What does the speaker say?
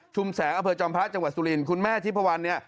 แสงอำเภอจอมพระจังหวัดสุรินคุณแม่ทิพวันเนี่ย